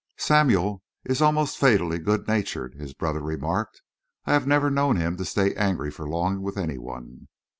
"Samuel is almost fatally good natured," his brother remarked. "I have never known him to stay angry for long with any one."